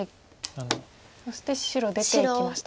そして白出ていきました。